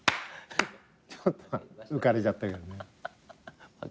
ちょっと浮かれちゃったけどね。